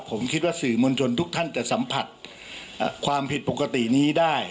ผมคิดว่าสื่อมวลชนทุกท่านจะสัมผัสความผิดปกตินี้ได้